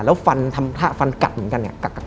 แล้วฟันทำท่าฟันกัดเหมือนกันเนี่ย